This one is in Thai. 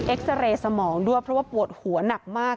ซาเรย์สมองด้วยเพราะว่าปวดหัวหนักมาก